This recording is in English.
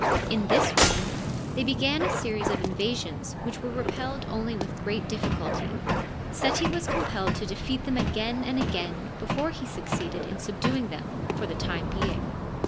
In this reign they began a series of invasions which were repelled only with great difficulty. Seti was compelled to aefeat them again and again before he succeeded in subduing them for the time being.